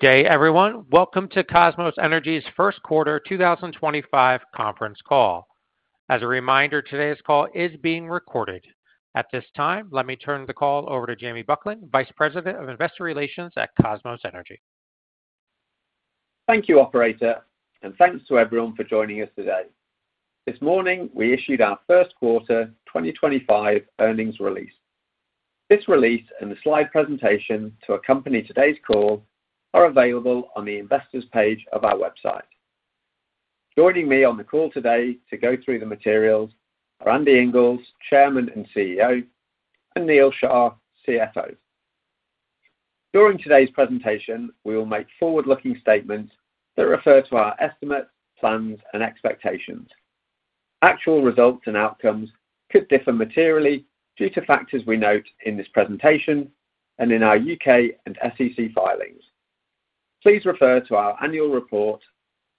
Good day, everyone. Welcome to Kosmos Energy's First Quarter 2025 Conference Call. As a reminder, today's call is being recorded. At this time, let me turn the call over to Jamie Buckland, Vice President of investor relations at Kosmos Energy. Thank you, Operator, and thanks to everyone for joining us today. This morning, we issued our first quarter 2025 earnings release. This release and the slide presentation to accompany today's call are available on the investors page of our website. Joining me on the call today to go through the materials are Andy Inglis, Chairman and CEO, and Neal Shah, CFO. During today's presentation, we will make forward-looking statements that refer to our estimates, plans, and expectations. Actual results and outcomes could differ materially due to factors we note in this presentation and in our U.K. and SEC filings. Please refer to our annual report,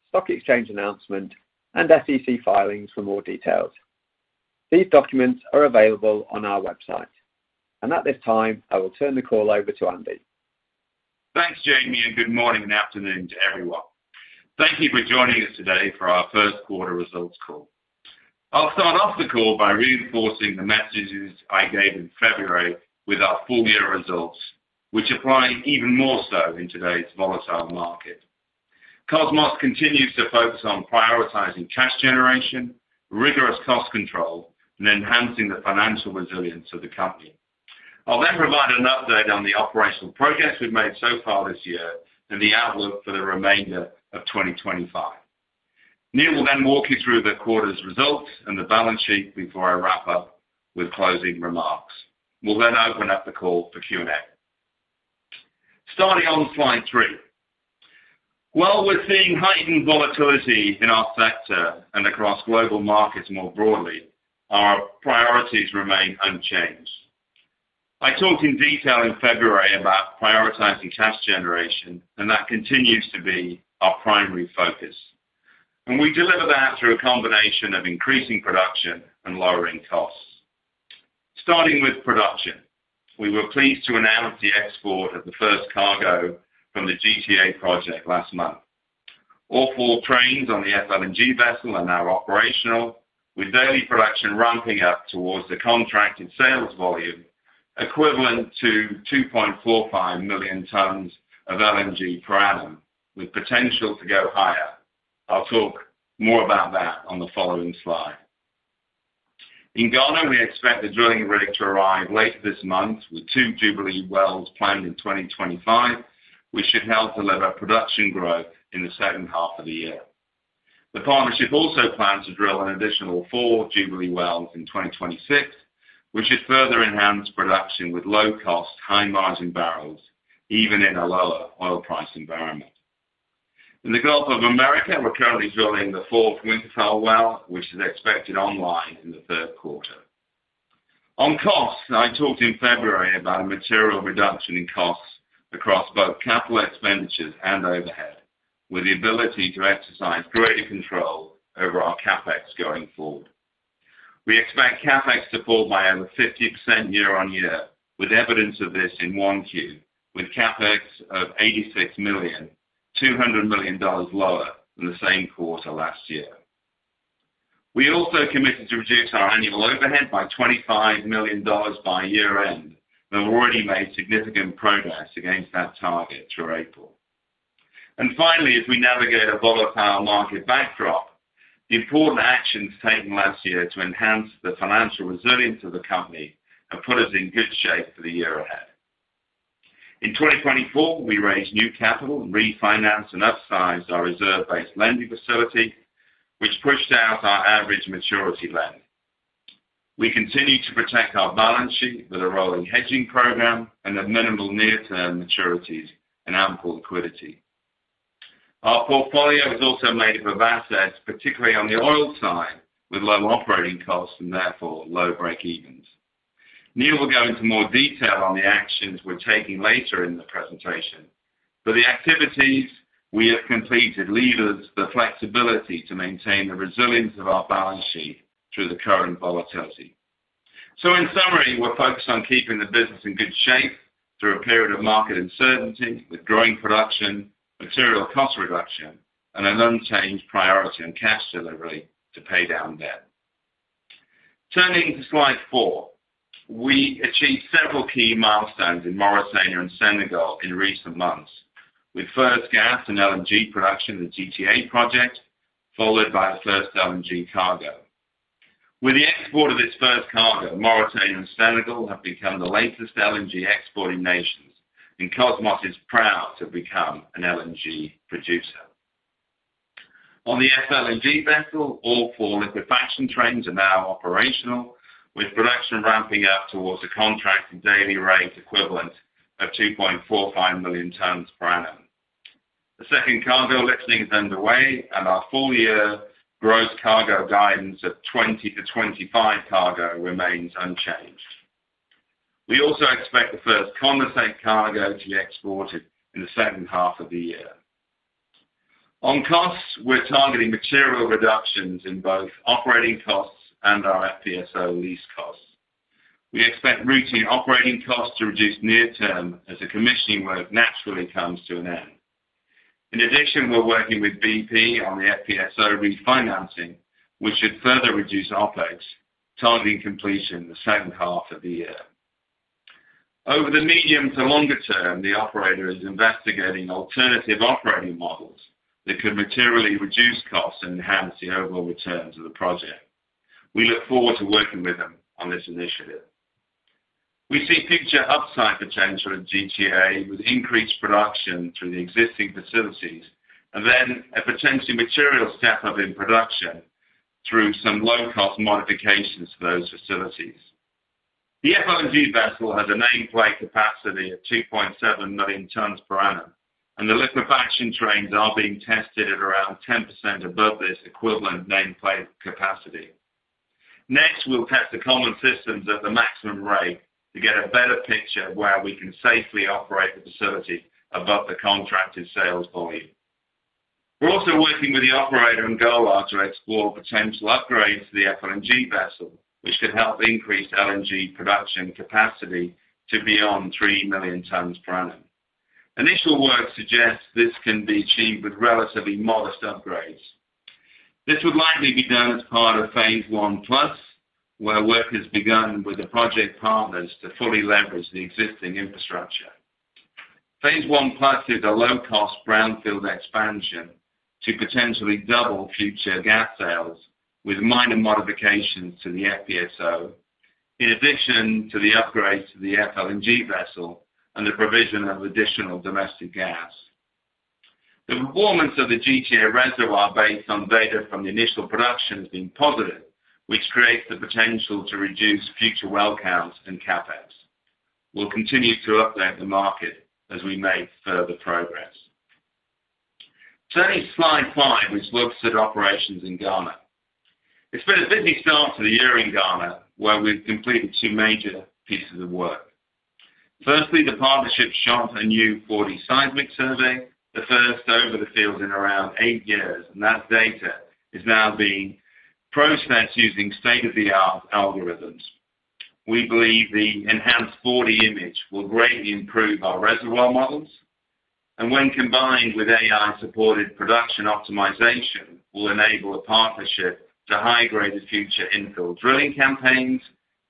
stock exchange announcement, and SEC filings for more details. These documents are available on our website, and at this time, I will turn the call over to Andy. Thanks, Jamie, and good morning and afternoon to everyone. Thank you for joining us today for our first quarter results call. I'll start off the call by reinforcing the messages I gave in February with our full-year results, which apply even more so in today's volatile market. Kosmos continues to focus on prioritizing cash generation, rigorous cost control, and enhancing the financial resilience of the company. I'll then provide an update on the operational progress we've made so far this year and the outlook for the remainder of 2025. Neal will then walk you through the quarter's results and the balance sheet before I wrap up with closing remarks. We'll then open up the call for Q&A. Starting on slide three, while we're seeing heightened volatility in our sector and across global markets more broadly, our priorities remain unchanged. I talked in detail in February about prioritizing cash generation, and that continues to be our primary focus, and we deliver that through a combination of increasing production and lowering costs. Starting with production, we were pleased to announce the export of the first cargo from the GTA project last month. All four trains on the FLNG vessel are now operational, with daily production ramping up towards the contracted sales volume equivalent to 2.45 million tons of LNG per annum, with potential to go higher. I'll talk more about that on the following slide. In Ghana, we expect the drilling rig to arrive late this month, with two Jubilee wells planned in 2025, which should help deliver production growth in the second half of the year. The partnership also plans to drill an additional four Jubilee wells in 2026, which should further enhance production with low-cost, high-margin barrels, even in a lower oil price environment. In the Gulf of America, we're currently drilling the fourth infill well, which is expected online in the third quarter. On costs, I talked in February about a material reduction in costs across both capital expenditures and overhead, with the ability to exercise greater control over our CapEx going forward. We expect CapEx to fall by over 50% year-on-year, with evidence of this in Q1, with CapEx of $86 million, $200 million lower than the same quarter last year. We also committed to reduce our annual overhead by $25 million by year-end, and we've already made significant progress against that target through April. Finally, as we navigate a volatile market backdrop, the important actions taken last year to enhance the financial resilience of the company have put us in good shape for the year ahead. In 2024, we raised new capital, refinanced, and upsized our reserve-based lending facility, which pushed out our average maturity lend. We continue to protect our balance sheet with a rolling hedging program and minimal near-term maturities and ample liquidity. Our portfolio is also made up of assets, particularly on the oil side, with low operating costs and therefore low breakevens. Neal will go into more detail on the actions we're taking later in the presentation, but the activities we have completed leave us the flexibility to maintain the resilience of our balance sheet through the current volatility. In summary, we're focused on keeping the business in good shape through a period of market uncertainty, with growing production, material cost reduction, and an unchanged priority on cash delivery to pay down debt. Turning to slide four, we achieved several key milestones in Mauritania and Senegal in recent months, with first gas and LNG production in the GTA project, followed by the first LNG cargo. With the export of this first cargo, Mauritania and Senegal have become the latest LNG exporting nations, and Kosmos is proud to become an LNG producer. On the FLNG vessel, all four liquefaction trains are now operational, with production ramping up towards a contracted daily rate equivalent of 2.45 million tons per annum. The second cargo listing is underway, and our full-year gross cargo guidance of 20-25 cargo remains unchanged. We also expect the first condensate cargo to be exported in the second half of the year. On costs, we're targeting material reductions in both operating costs and our FPSO lease costs. We expect routine operating costs to reduce near-term as the commissioning work naturally comes to an end. In addition, we're working with BP on the FPSO refinancing, which should further reduce OpEx, targeting completion in the second half of the year. Over the medium to longer term, the operator is investigating alternative operating models that could materially reduce costs and enhance the overall returns of the project. We look forward to working with them on this initiative. We see future upside potential in GTA with increased production through the existing facilities and then a potential material step-up in production through some low-cost modifications to those facilities. The FLNG vessel has a nameplate capacity of 2.7 million tons per annum, and the liquefaction trains are being tested at around 10% above this equivalent nameplate capacity. Next, we'll test the common systems at the maximum rate to get a better picture of where we can safely operate the facility above the contracted sales volume. We're also working with the operator and goal to explore potential upgrades to the FLNG vessel, which could help increase LNG production capacity to beyond three million tons per annum. Initial work suggests this can be achieved with relatively modest upgrades. This would likely be done as part of phase I plus, where work has begun with the project partners to fully leverage the existing infrastructure. Phase I plus is a low-cost brownfield expansion to potentially double future gas sales with minor modifications to the FPSO, in addition to the upgrades to the FLNG vessel and the provision of additional domestic gas. The performance of the GTA reservoir based on data from the initial production has been positive, which creates the potential to reduce future well counts and CapEx. We'll continue to update the market as we make further progress. Turning to slide five, which looks at operations in Ghana. It's been a busy start to the year in Ghana, where we've completed two major pieces of work. Firstly, the partnership shot a new 4D seismic survey, the first over the field in around eight years, and that data is now being processed using state-of-the-art algorithms. We believe the enhanced 4D image will greatly improve our reservoir models, and when combined with AI-supported production optimization, will enable a partnership to high-grade future infill drilling campaigns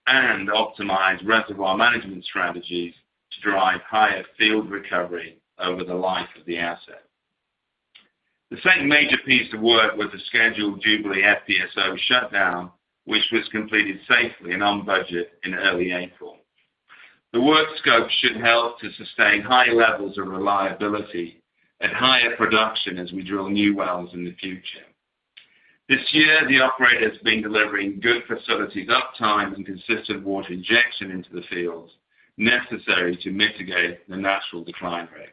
and optimize reservoir management strategies to drive higher field recovery over the life of the asset. The second major piece of work was the scheduled Jubilee FPSO shutdown, which was completed safely and on budget in early April. The work scope should help to sustain high levels of reliability at higher production as we drill new wells in the future. This year, the operator has been delivering good facilities uptime and consistent water injection into the fields necessary to mitigate the natural decline rate.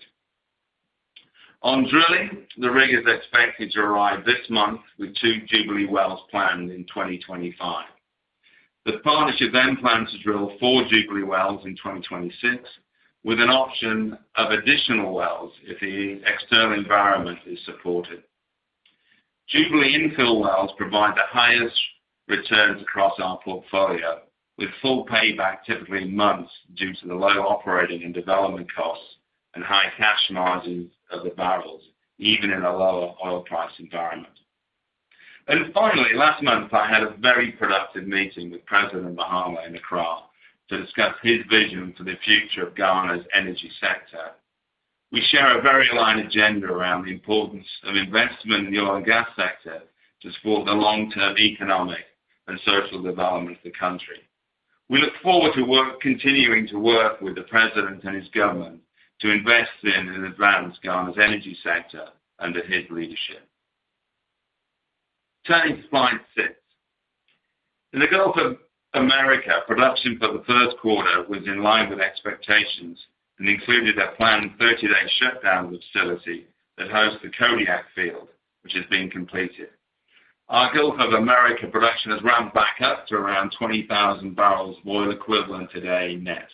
On drilling, the rig is expected to arrive this month with two Jubilee wells planned in 2025. The partnership then plans to drill four Jubilee wells in 2026, with an option of additional wells if the external environment is supported. Jubilee infill wells provide the highest returns across our portfolio, with full payback typically in months due to the low operating and development costs and high cash margins of the barrels, even in a lower oil price environment. Finally, last month, I had a very productive meeting with President Mahama and the craw to discuss his vision for the future of Ghana's energy sector. We share a very aligned agenda around the importance of investment in the oil and gas sector to support the long-term economic and social development of the country. We look forward to continuing to work with the President and his government to invest in and advance Ghana's energy sector under his leadership. Turning to slide six, in the Gulf of America, production for the first quarter was in line with expectations and included a planned 30-day shutdown of the facility that hosts the Kodiak field, which has been completed. Our Gulf of America production has ramped back up to around 20,000 barrels of oil equivalent today net.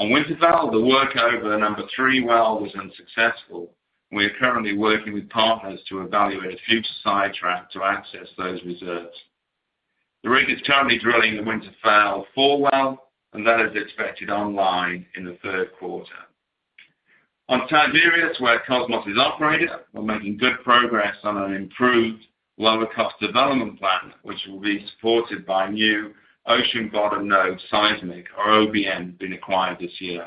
On Winterfell, the workover of the number three well was unsuccessful, and we are currently working with partners to evaluate a future sidetrack to access those reserves. The rig is currently drilling the Winterfell four well, and that is expected online in the third quarter. On Tiberius, where Kosmos is operator, we're making good progress on an improved lower-cost development plan, which will be supported by new Ocean Bottom Node seismic, or OBN, being acquired this year.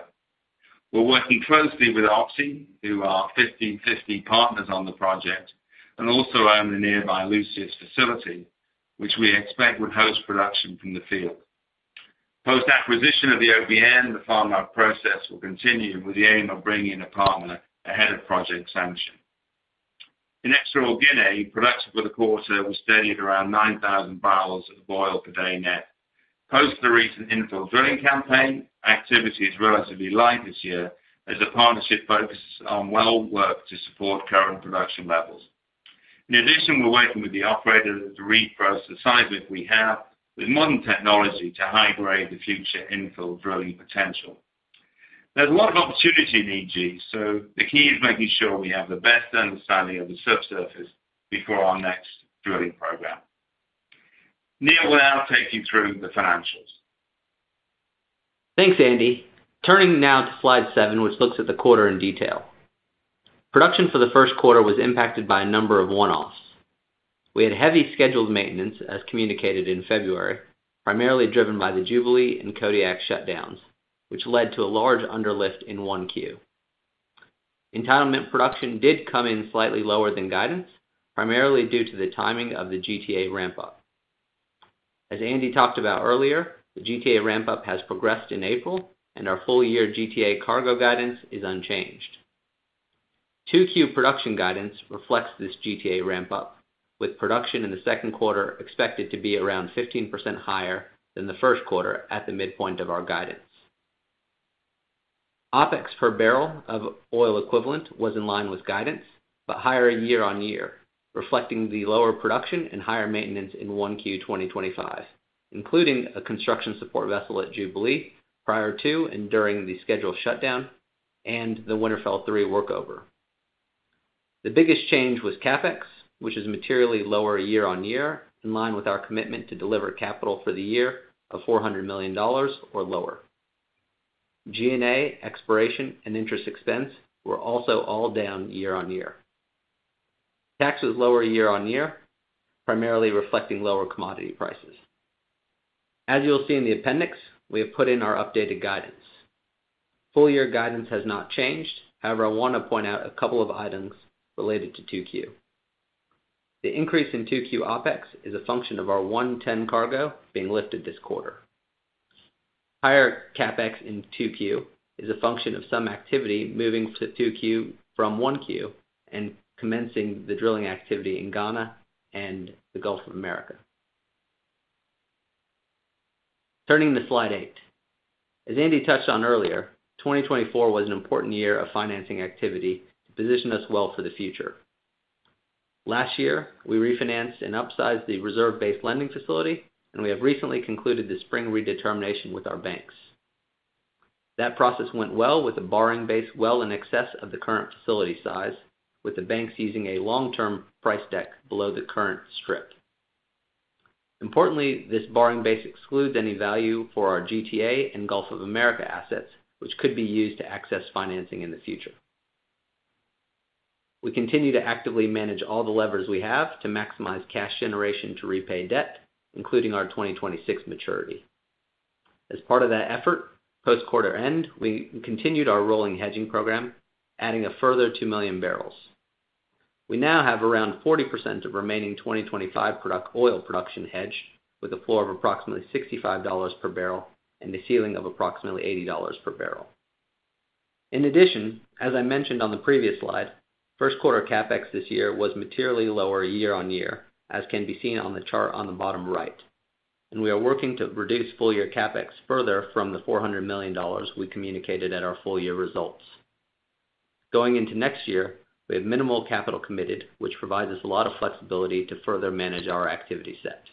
We're working closely with Occidental Petroleum, who are 15% partners on the project, and also own the nearby Lucius facility, which we expect would host production from the field. Post-acquisition of the OBN, the farm-out process will continue with the aim of bringing a partner ahead of project sanction. In Equatorial Guinea, production for the quarter was steady at around 9,000 barrels of oil per day net. Post the recent infill drilling campaign, activity is relatively light this year as the partnership focuses on well work to support current production levels. In addition, we're working with the operator to reprocess seismic we have with modern technology to high-grade the future infill drilling potential. There's a lot of opportunity in EG, so the key is making sure we have the best understanding of the subsurface before our next drilling program. Neal will now take you through the financials. Thanks, Andy. Turning now to slide seven, which looks at the quarter in detail. Production for the first quarter was impacted by a number of one-offs. We had heavy scheduled maintenance, as communicated in February, primarily driven by the Jubilee and Kodiak shutdowns, which led to a large underlift in one Q. Entitlement production did come in slightly lower than guidance, primarily due to the timing of the GTA ramp-up. As Andy talked about earlier, the GTA ramp-up has progressed in April, and our full-year GTA cargo guidance is unchanged. two Q production guidance reflects this GTA ramp-up, with production in the second quarter expected to be around 15% higher than the first quarter at the midpoint of our guidance. OpEx per barrel of oil equivalent was in line with guidance, but higher year-on-year, reflecting the lower production and higher maintenance in one Q 2025, including a construction support vessel at Jubilee prior to and during the scheduled shutdown and the Winterfell three workover. The biggest change was CapEx, which is materially lower year-on-year, in line with our commitment to deliver capital for the year of $400 million or lower. G&A, exploration, and interest expense were also all down year-on-year. Tax was lower year-on-year, primarily reflecting lower commodity prices. As you'll see in the appendix, we have put in our updated guidance. Full-year guidance has not changed. However, I want to point out a couple of items related to two Q. The increase in two Q OpEx is a function of our 110 cargo being lifted this quarter. Higher CapEx in two Q is a function of some activity moving to two Q from one Q and commencing the drilling activity in Ghana and the Gulf of America. Turning to slide eight, as Andy touched on earlier, 2024 was an important year of financing activity to position us well for the future. Last year, we refinanced and upsized the reserve-based lending facility, and we have recently concluded the spring redetermination with our banks. That process went well with the borrowing base well in excess of the current facility size, with the banks using a long-term price deck below the current strip. Importantly, this borrowing base excludes any value for our GTA and Gulf of America assets, which could be used to access financing in the future. We continue to actively manage all the levers we have to maximize cash generation to repay debt, including our 2026 maturity. As part of that effort, post-quarter end, we continued our rolling hedging program, adding a further two million barrels. We now have around 40% of remaining 2025 oil production hedged, with a floor of approximately $65 per barrel and a ceiling of approximately $80 per barrel. In addition, as I mentioned on the previous slide, first quarter CapEx this year was materially lower year-on-year, as can be seen on the chart on the bottom right, and we are working to reduce full-year CapEx further from the $400 million we communicated at our full-year results. Going into next year, we have minimal capital committed, which provides us a lot of flexibility to further manage our activity set.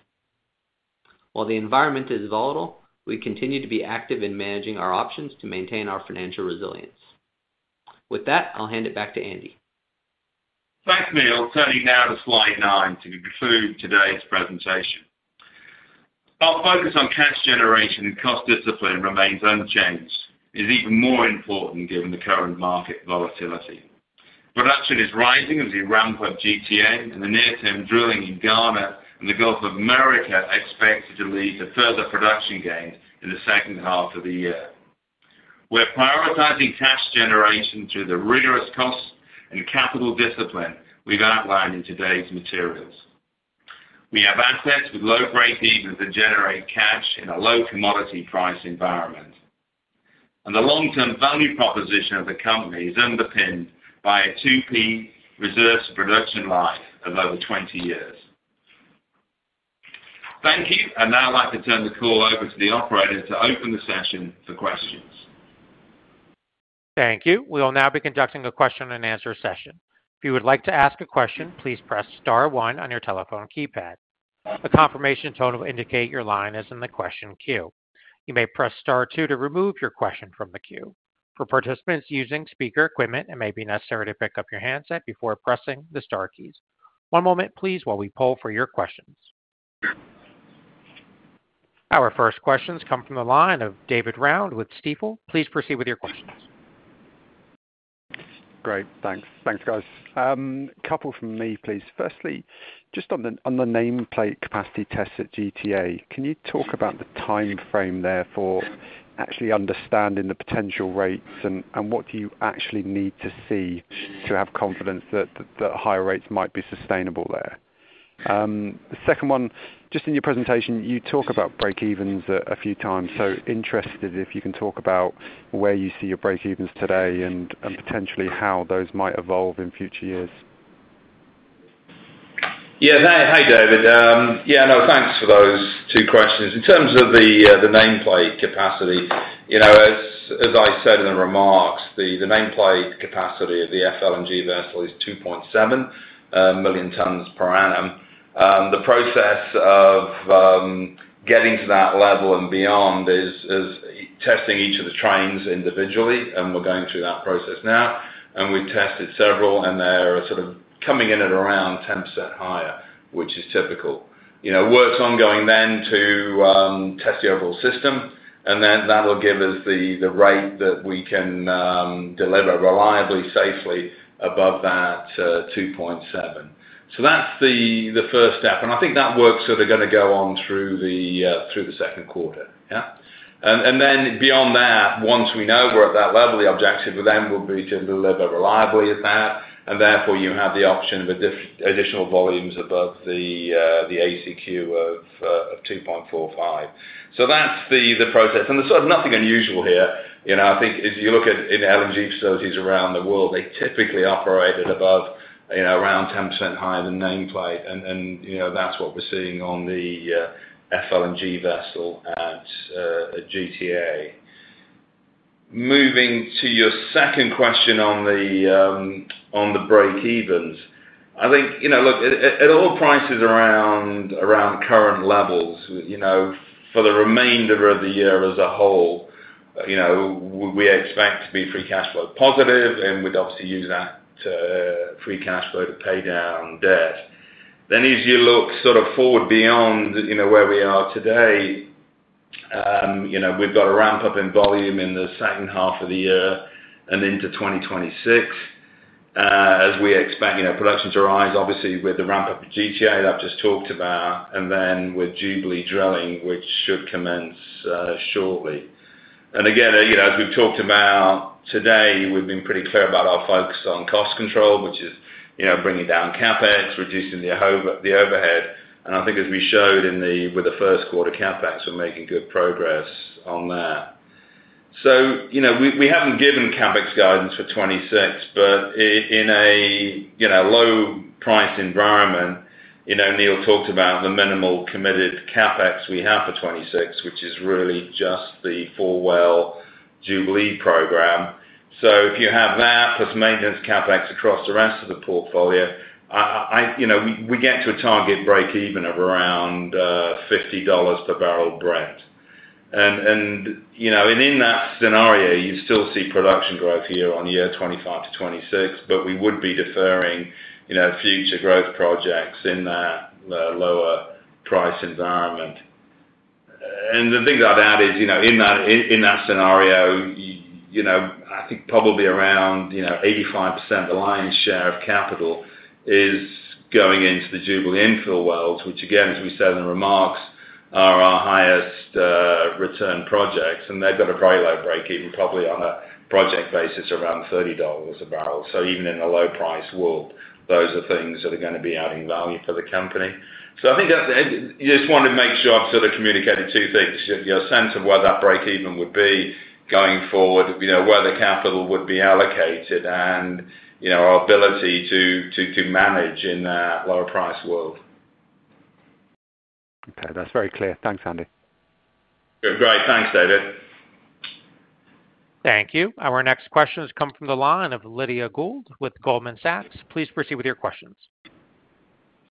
While the environment is volatile, we continue to be active in managing our options to maintain our financial resilience. With that, I'll hand it back to Andy. Thanks, Neal. Turning now to slide nine to conclude today's presentation. Our focus on cash generation and cost discipline remains unchanged, is even more important given the current market volatility. Production is rising as we ramp up GTA, and the near-term drilling in Ghana and the Gulf of America expected to lead to further production gains in the second half of the year. We're prioritizing cash generation through the rigorous cost and capital discipline we've outlined in today's materials. We have assets with low-grade deals that generate cash in a low commodity price environment, and the long-term value proposition of the company is underpinned by a 2P reserve production life of over 20 years. Thank you, and now I'd like to turn the call over to the operator to open the session for questions. Thank you. We will now be conducting a question and answer session. If you would like to ask a question, please press star one on your telephone keypad. A confirmation tone will indicate your line is in the question queue. You may press star two to remove your question from the queue. For participants using speaker equipment, it may be necessary to pick up your handset before pressing the star keys. One moment, please, while we poll for your questions. Our first questions come from the line of David Round with Stifel. Please proceed with your questions. Great. Thanks. Thanks, guys. A couple from me, please. Firstly, just on the nameplate capacity test at GTA, can you talk about the timeframe there for actually understanding the potential rates and what do you actually need to see to have confidence that the higher rates might be sustainable there? The second one, just in your presentation, you talk about break-evens a few times, so interested if you can talk about where you see your break-evens today and potentially how those might evolve in future years. Yeah. Hey, David. Yeah. No, thanks for those two questions. In terms of the nameplate capacity, as I said in the remarks, the nameplate capacity of the FLNG vessel is 2.7 million tons per annum. The process of getting to that level and beyond is testing each of the trains individually, and we're going through that process now, and we've tested several, and they're sort of coming in at around 10% higher, which is typical. Work's ongoing then to test the overall system, and then that'll give us the rate that we can deliver reliably, safely above that 2.7. That's the first step, and I think that work's sort of going to go on through the second quarter. Yeah. Then beyond that, once we know we're at that level, the objective then will be to deliver reliably at that, and therefore you have the option of additional volumes above the ACQ of 2.45. That's the process. There's sort of nothing unusual here. I think if you look at LNG facilities around the world, they typically operate at about 10% higher than nameplate, and that's what we're seeing on the FLNG vessel at GTA. Moving to your second question on the break-evens, I think, look, at oil prices around current levels, for the remainder of the year as a whole, we expect to be free cash flow positive, and we'd obviously use that free cash flow to pay down debt. As you look sort of forward beyond where we are today, we've got a ramp-up in volume in the second half of the year and into 2026 as we expect productions to rise, obviously, with the ramp-up of GTA that I've just talked about, and then with Jubilee drilling, which should commence shortly. Again, as we've talked about today, we've been pretty clear about our focus on cost control, which is bringing down CapEx, reducing the overhead, and I think as we showed with the first quarter CapEx, we're making good progress on that. We haven't given CapEx guidance for 2026, but in a low-priced environment, Neal talked about the minimal committed CapEx we have for 2026, which is really just the four well Jubilee program. If you have that plus maintenance CapEx across the rest of the portfolio, we get to a target break-even of around $50 per barrel Brent. In that scenario, you still see production growth year-on-year 2025 to 2026, but we would be deferring future growth projects in that lower price environment. The thing about that is in that scenario, I think probably around 85% of the lion's share of capital is going into the Jubilee infill wells, which again, as we said in the remarks, are our highest return projects, and they've got a very low break-even, probably on a project basis around $30 a barrel. Even in a low-price world, those are things that are going to be adding value for the company. I think you just want to make sure I have sort of communicated two things: your sense of where that break-even would be going forward, where the capital would be allocated, and our ability to manage in that lower-price world. Okay. That is very clear. Thanks, Andy. Great. Thanks, David. Thank you. Our next question has come from the line of Lydia Gould with Goldman Sachs. Please proceed with your questions.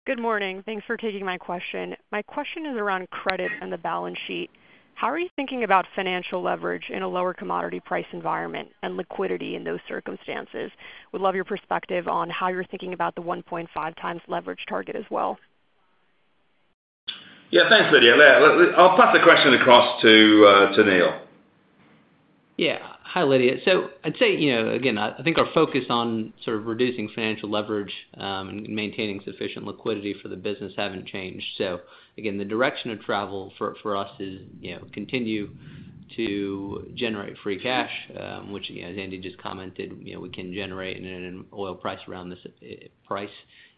Good morning. Thanks for taking my question. My question is around credit and the balance sheet. How are you thinking about financial leverage in a lower commodity price environment and liquidity in those circumstances? Would love your perspective on how you are thinking about the 1.5 times leverage target as well. Yeah. Thanks, Lydia. I will pass the question across to Neal. Yeah. Hi, Lydia. I would say, again, I think our focus on sort of reducing financial leverage and maintaining sufficient liquidity for the business has not changed. The direction of travel for us is to continue to generate free cash, which, as Andy just commented, we can generate at an oil price around this price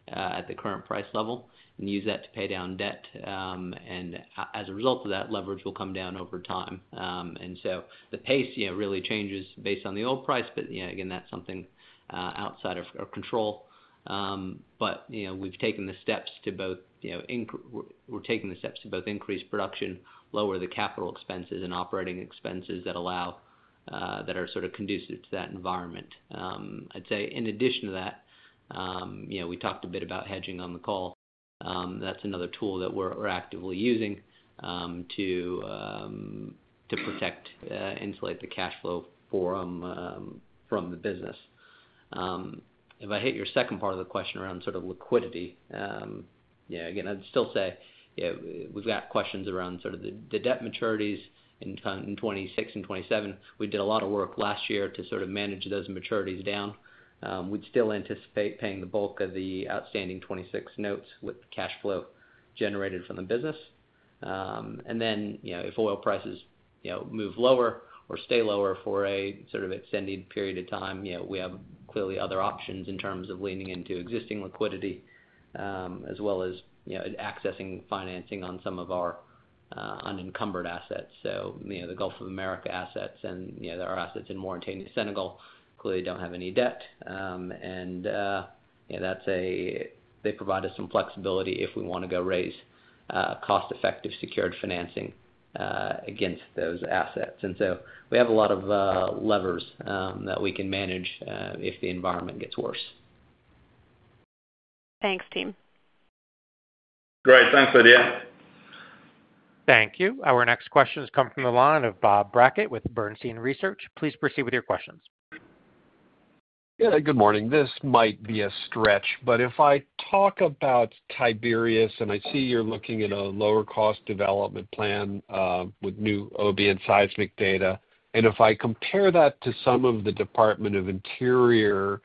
at the current price level and use that to pay down debt. As a result of that, leverage will come down over time. The pace really changes based on the oil price, but again, that's something outside of our control. We have taken the steps to both increase production and lower the capital expenses and operating expenses that are sort of conducive to that environment. I would say in addition to that, we talked a bit about hedging on the call. That's another tool that we're actively using to protect, insulate the cash flow from the business. If I hit your second part of the question around sort of liquidity, yeah, again, I'd still say we've got questions around sort of the debt maturities in 2026 and 2027. We did a lot of work last year to sort of manage those maturities down. We'd still anticipate paying the bulk of the outstanding 2026 notes with cash flow generated from the business. If oil prices move lower or stay lower for a sort of extended period of time, we have clearly other options in terms of leaning into existing liquidity as well as accessing financing on some of our unencumbered assets. The Gulf of America assets and our assets in Mauritania Senegal clearly do not have any debt, and they provide us some flexibility if we want to go raise cost-effective secured financing against those assets. We have a lot of levers that we can manage if the environment gets worse. Thanks, team. Great. Thanks, Lydia. Thank you. Our next question has come from the line of Bob Brackett with Bernstein Research. Please proceed with your questions. Good morning. This might be a stretch, but if I talk about Tiberius and I see you are looking at a lower-cost development plan with new OBN seismic data, and if I compare that to some of the department of interior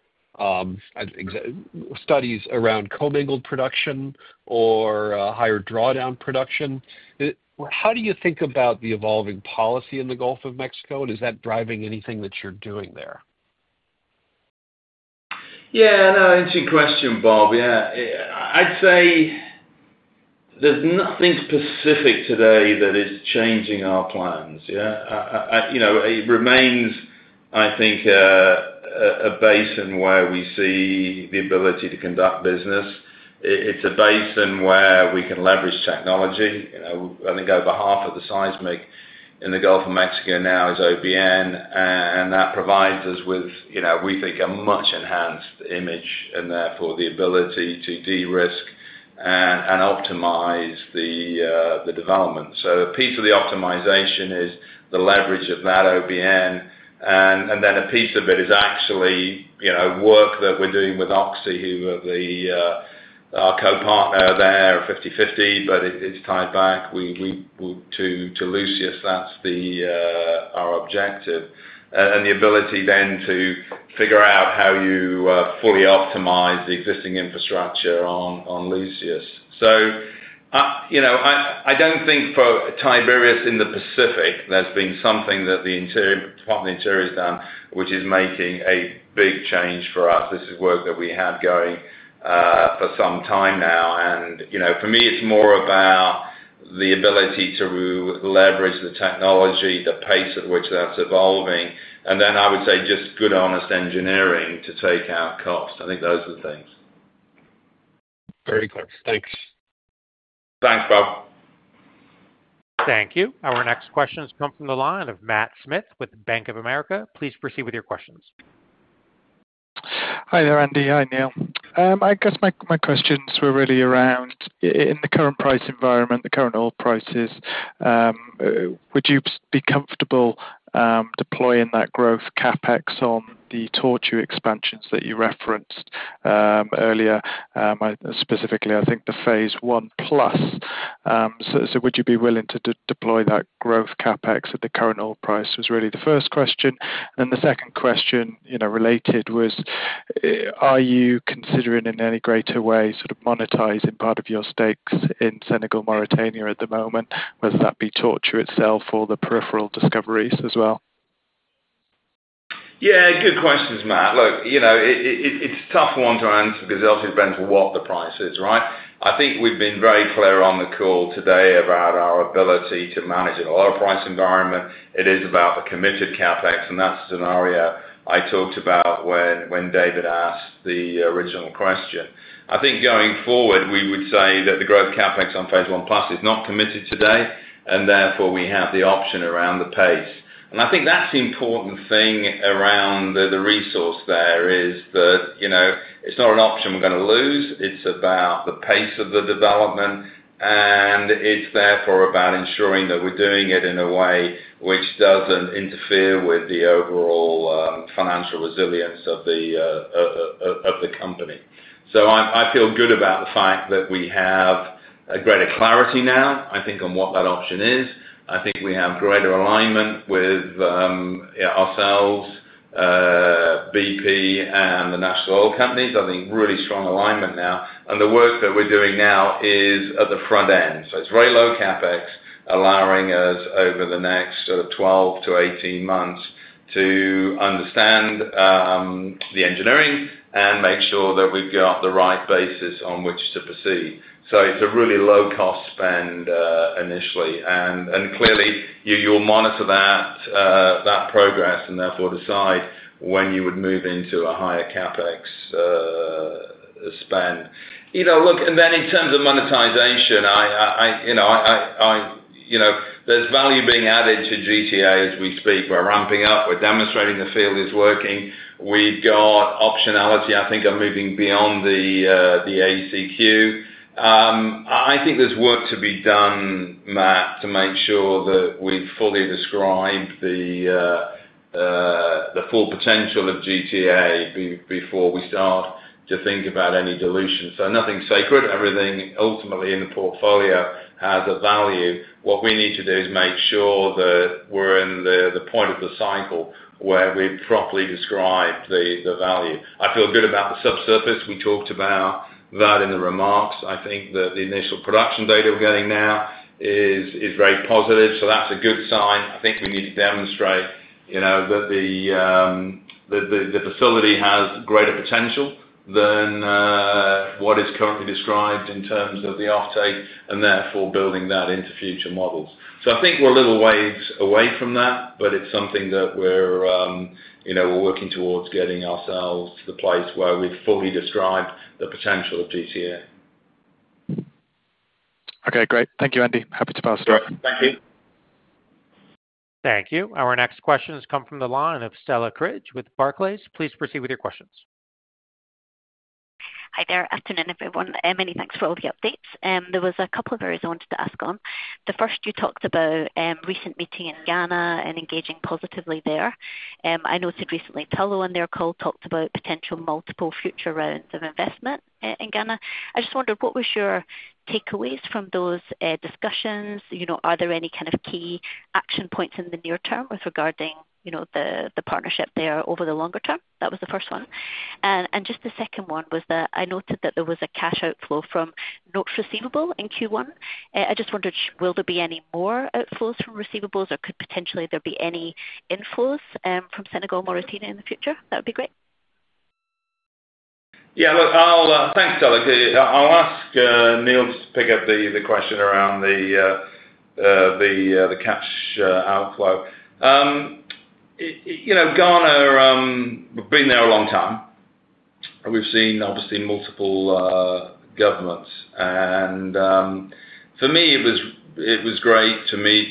studies around co-mingled production or higher drawdown production, how do you think about the evolving policy in the Gulf of Mexico, and is that driving anything that you are doing there? Yeah. No, interesting question, Bob. Yeah. I'd say there's nothing specific today that is changing our plans. Yeah. It remains, I think, a basin where we see the ability to conduct business. It's a basin where we can leverage technology. I think over half of the seismic in the Gulf of Mexico now is OBN, and that provides us with, we think, a much-enhanced image and therefore the ability to de-risk and optimize the development. A piece of the optimization is the leverage of that OBN, and then a piece of it is actually work that we're doing with Oxy, who are our co-partner there, 50/50, but it's tied back to Lucius. That's our objective. The ability then to figure out how you fully optimize the existing infrastructure on Lucius. I don't think for Tiberius in the Pacific, there's been something that the Department of Interior has done, which is making a big change for us. This is work that we have going for some time now, and for me, it's more about the ability to leverage the technology, the pace at which that's evolving, and then I would say just good, honest engineering to take out cost. I think those are the things. Very clear. Thanks. Thanks, Bob. Thank you. Our next question has come from the line of Matt Smith with Bank of America. Please proceed with your questions. Hi there, Andy. Hi, Neal. I guess my questions were really around, in the current price environment, the current oil prices, would you be comfortable deploying that growth CapEx on the Tortue expansions that you referenced earlier, specifically, I think, the phase I plus? Would you be willing to deploy that growth CapEx at the current oil price? Was really the first question. The second question related was, are you considering in any greater way sort of monetizing part of your stakes in Senegal, Mauritania at the moment, whether that be Tortue itself or the peripheral discoveries as well? Yeah. Good questions, Matt. Look, it's a tough one to answer because it obviously depends on what the price is, right? I think we've been very clear on the call today about our ability to manage it. In a lower-priced environment, it is about the committed CapEx, and that's the scenario I talked about when David asked the original question. I think going forward, we would say that the growth CapEx on phase I plus is not committed today, and therefore we have the option around the pace. I think that's the important thing around the resource there is that it's not an option we're going to lose. It's about the pace of the development, and it's therefore about ensuring that we're doing it in a way which doesn't interfere with the overall financial resilience of the company. I feel good about the fact that we have greater clarity now, I think, on what that option is. I think we have greater alignment with ourselves, BP, and the national oil companies. I think really strong alignment now, and the work that we're doing now is at the front end. It's very low CapEx allowing us over the next 12-18 months to understand the engineering and make sure that we've got the right basis on which to proceed. It's a really low-cost spend initially, and clearly, you'll monitor that progress and therefore decide when you would move into a higher CapEx spend. Look, and then in terms of monetization, I know there's value being added to GTA as we speak. We're ramping up. We're demonstrating the field is working. We've got optionality. I think I'm moving beyond the ACQ. I think there's work to be done, Matt, to make sure that we fully describe the full potential of GTA before we start to think about any dilution. Nothing's sacred. Everything ultimately in the portfolio has a value. What we need to do is make sure that we're in the point of the cycle where we've properly described the value. I feel good about the subsurface. We talked about that in the remarks. I think that the initial production data we're getting now is very positive, so that's a good sign. I think we need to demonstrate that the facility has greater potential than what is currently described in terms of the offtake and therefore building that into future models. I think we're a little ways away from that, but it's something that we're working towards getting ourselves to the place where we've fully described the potential of GTA. Okay. Great. Thank you, Andy. Happy to pass it on. Great. Thank you. Thank you. Our next question has come from the line of Stella Cridge with Barclays. Please proceed with your questions. Hi there. Afternoon, everyone. Many thanks for all the updates. There was a couple of areas I wanted to ask on. The first, you talked about recent meeting in Ghana and engaging positively there. I noted recently Tullow on their call talked about potential multiple future rounds of investment in Ghana. I just wondered, what were your takeaways from those discussions? Are there any kind of key action points in the near term with regarding the partnership there over the longer term? That was the first one. The second one was that I noted that there was a cash outflow from notes receivable in Q1. I just wondered, will there be any more outflows from receivables, or could potentially there be any inflows from Senegal, Mauritania in the future? That would be great. Yeah. Thanks, Stella. I'll ask Neal to pick up the question around the cash outflow. Ghana has been there a long time. We've seen, obviously, multiple governments. For me, it was great to meet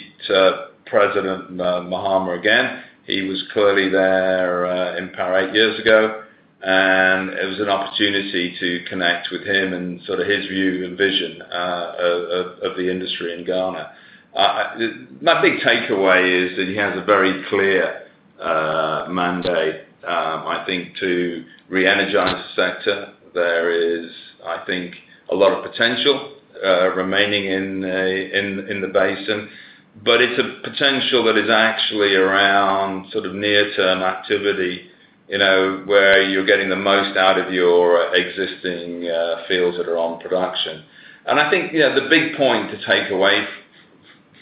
President Mahama again. He was clearly there in power eight years ago, and it was an opportunity to connect with him and sort of his view and vision of the industry in Ghana. My big takeaway is that he has a very clear mandate, I think, to re-energize the sector. There is, I think, a lot of potential remaining in the basin, but it's a potential that is actually around sort of near-term activity where you're getting the most out of your existing fields that are on production. I think the big point to take away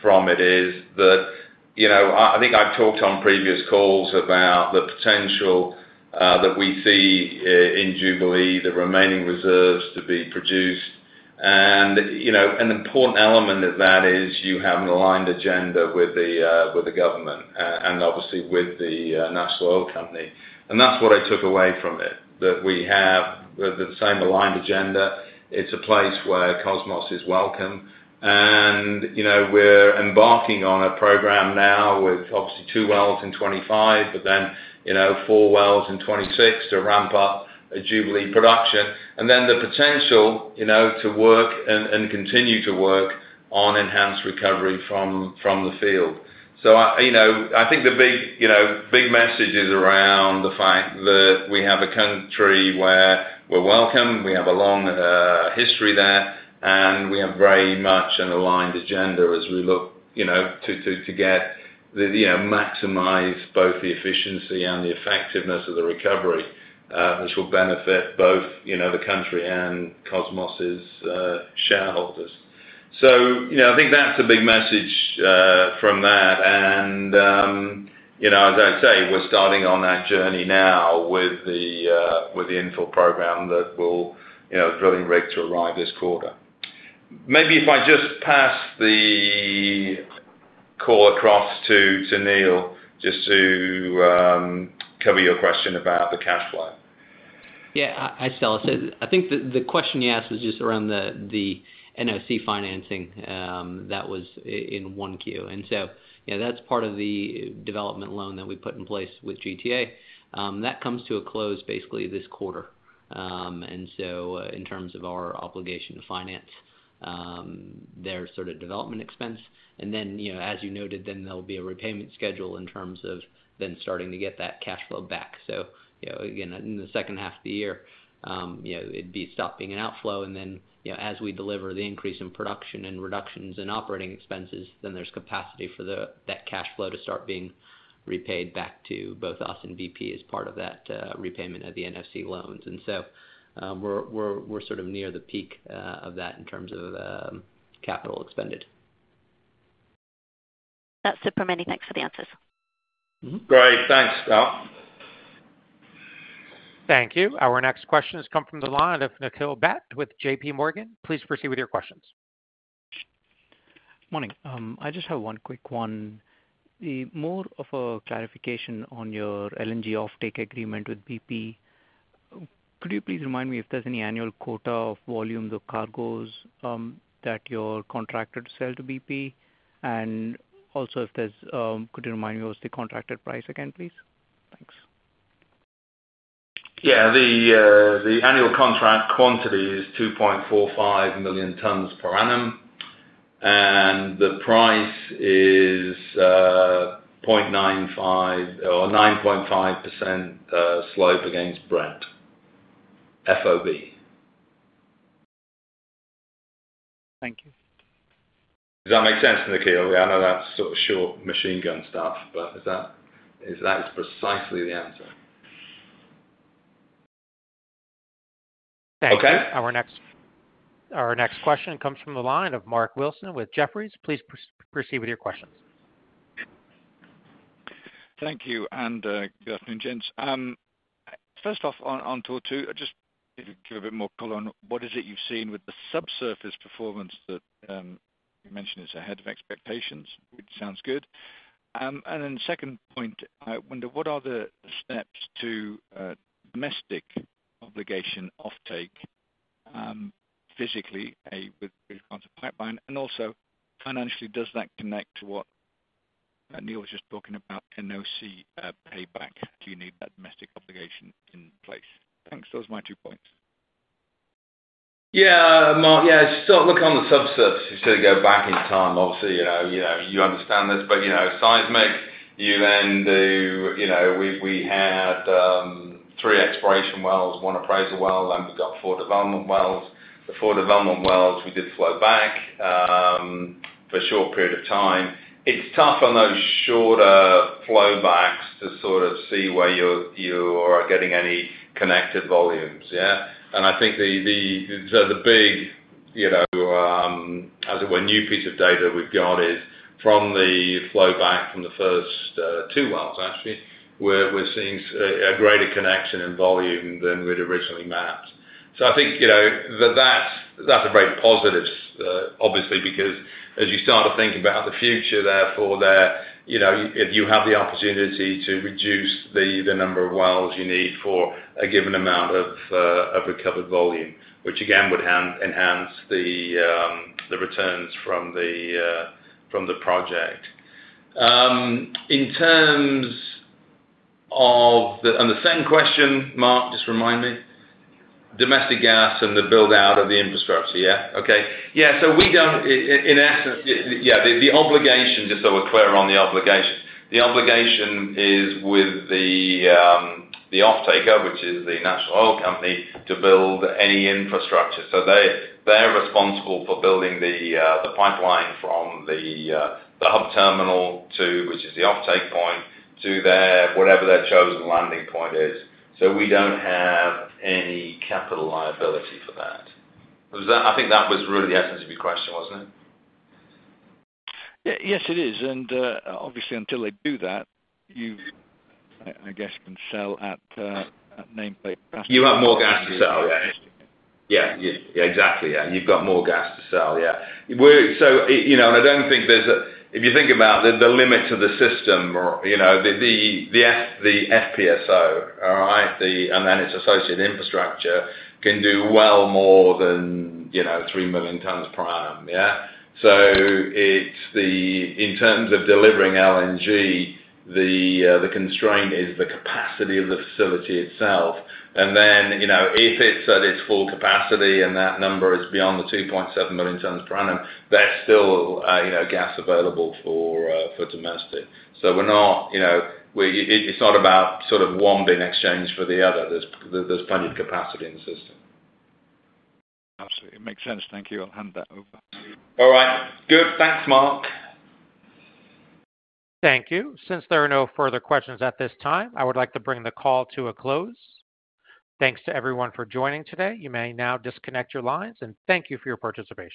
from it is that I think I've talked on previous calls about the potential that we see in Jubilee, the remaining reserves to be produced. An important element of that is you have an aligned agenda with the government and obviously with the national oil company. That's what I took away from it, that we have the same aligned agenda. It's a place where Kosmos is welcome. We're embarking on a program now with obviously two wells in 2025, but then four wells in 2026 to ramp up Jubilee production, and then the potential to work and continue to work on enhanced recovery from the field. I think the big message is around the fact that we have a country where we're welcome. We have a long history there, and we have very much an aligned agenda as we look to get maximize both the efficiency and the effectiveness of the recovery, which will benefit both the country and Kosmos's shareholders. I think that's a big message from that. As I say, we're starting on that journey now with the inflow program that we're drilling rig to arrive this quarter. Maybe if I just pass the call across to Neal just to cover your question about the cash flow. Yeah. Hi, Stella. I think the question you asked was just around the NOC financing that was in one Q. That is part of the development loan that we put in place with GTA. That comes to a close basically this quarter. In terms of our obligation to finance their sort of development expense. As you noted, then there will be a repayment schedule in terms of then starting to get that cash flow back. Again, in the second half of the year, it would be stopping an outflow. Then as we deliver the increase in production and reductions in operating expenses, there is capacity for that cash flow to start being repaid back to both us and BP as part of that repayment of the NFC loans. We are sort of near the peak of that in terms of capital expended. That is it for me. Many thanks for the answers. Great. Thanks, Stella. Thank you. Our next question has come from the line of Nicole Beck with JP Morgan. Please proceed with your questions. Morning. I just have one quick one, more of a clarification on your LNG offtake agreement with BP. Could you please remind me if there is any annual quota of volumes or cargoes that you are contracted to sell to BP? Also, could you remind me what is the contracted price again, please? Thanks. Yeah. The annual contract quantity is 2.45 million tons per annum, and the price is 0.95 or 9.5% slope against Brent, FOB. Thank you. Does that make sense, Nicole? Yeah. I know that's sort of short machine gun stuff, but that is precisely the answer. Thank you. Okay. Our next question comes from the line of Mark Wilson with Jefferies. Please proceed with your questions. Thank you. And good afternoon, gents. First off, on tour two, just give a bit more color on what is it you've seen with the subsurface performance that you mentioned is ahead of expectations, which sounds good. The second point, I wonder what are the steps to domestic obligation off take physically with regard to pipeline? And also financially, does that connect to what Neal was just talking about, NOC payback? Do you need that domestic obligation in place? Thanks. Those are my two points. Yeah. Yeah. Start looking on the subsurface. You sort of go back in time. Obviously, you understand this, but seismic, you then do, we had three exploration wells, one appraisal well, and we've got four development wells. The four development wells, we did flow back for a short period of time. It's tough on those shorter flowbacks to sort of see where you are getting any connected volumes, yeah? I think the big, as it were, new piece of data we've got is from the flowback from the first two wells, actually, where we're seeing a greater connection in volume than we'd originally mapped. I think that's very positive, obviously, because as you start to think about the future, therefore, if you have the opportunity to reduce the number of wells you need for a given amount of recovered volume, which again would enhance the returns from the project. In terms of the, and the same question, Mark, just remind me. Domestic gas and the build-out of the infrastructure, yeah? Okay. Yeah. We don't, in essence, yeah, the obligation, just so we're clear on the obligation, the obligation is with the offtaker, which is the national oil company, to build any infrastructure. They're responsible for building the pipeline from the hub terminal, which is the offtake point, to whatever their chosen landing point is. We don't have any capital liability for that. I think that was really the essence of your question, wasn't it? Yes, it is. Obviously, until they do that, you, I guess, can sell at nameplate prices. You have more gas to sell, yeah. Exactly. You have more gas to sell, yeah. I do not think there is a, if you think about the limits of the system, the FPSO, all right, and then its associated infrastructure can do well more than three million tons per annum, yeah? In terms of delivering LNG, the constraint is the capacity of the facility itself. If it is at its full capacity and that number is beyond the 2.7 million tons per annum, there is still gas available for domestic. We are not, it is not about sort of one being exchanged for the other. There is plenty of capacity in the system. Absolutely. It makes sense. Thank you. I will hand that over. All right. Good. Thanks, Mark. Thank you. Since there are no further questions at this time, I would like to bring the call to a close. Thanks to everyone for joining today. You may now disconnect your lines, and thank you for your participation.